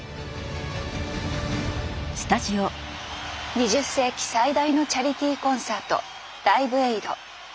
２０世紀最大のチャリティーコンサート「ライブエイド」。